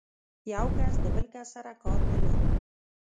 یو کس د بل کس سره کار نه لري.